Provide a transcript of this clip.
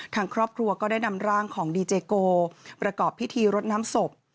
ทางครอบครัวก็ได้นำร่างของดีเจโกประกอบพิธีรดน้ำศพ